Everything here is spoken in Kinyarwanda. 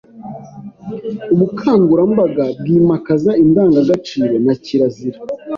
Ubukangurambaga bwimakaza indangagaciro na kirazira;